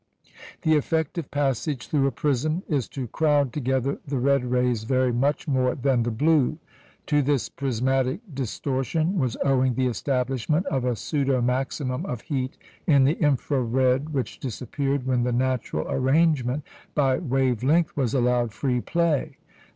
The effect of passage through a prism is to crowd together the red rays very much more than the blue. To this prismatic distortion was owing the establishment of a pseudo maximum of heat in the infra red, which disappeared when the natural arrangement by wave length was allowed free play.